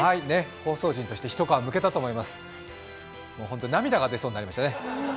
放送人として一皮むけたと思います涙が出そうになりましたね。